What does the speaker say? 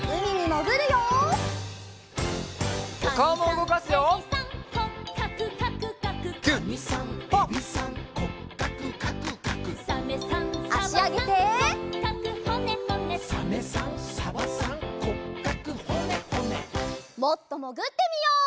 もっともぐってみよう。